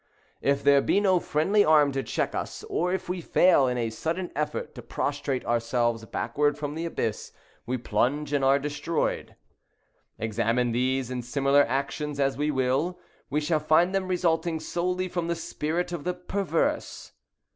If there be no friendly arm to check us, or if we fail in a sudden effort to prostrate ourselves backward from the abyss, we plunge, and are destroyed. Examine these similar actions as we will, we shall find them resulting solely from the spirit of the Perverse.